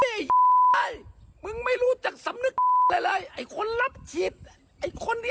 เลยไอมึงไม่รู้จักสำนึกเลยเลยไอคนรับฉีดไอคนที่